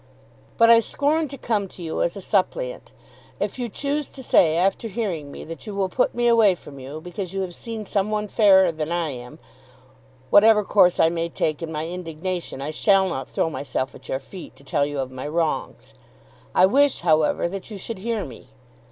But I scorn to come to you as a suppliant. If you choose to say after hearing me that you will put me away from you because you have seen some one fairer than I am, whatever course I may take in my indignation, I shall not throw myself at your feet to tell you of my wrongs. I wish, however, that you should hear me.